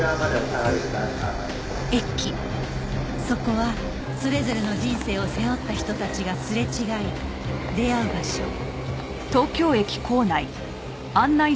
そこはそれぞれの人生を背負った人たちがすれ違い出会う場所